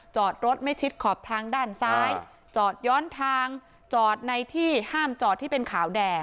จอดรถไม่ชิดขอบทางด้านซ้ายจอดย้อนทางจอดในที่ห้ามจอดที่เป็นขาวแดง